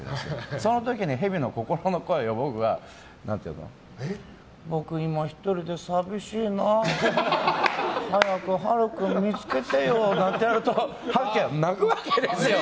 その時にヘビの心の声を僕が、僕今１人で寂しいな早くはる君、見つけてよなんてやると陽喜が泣くわけですよ。